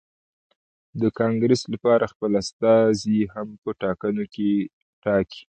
د کانګرېس لپاره خپل استازي هم په ټاکنو کې ټاکي.